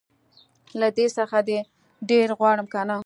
له دې څخه دي ډير غواړم که نه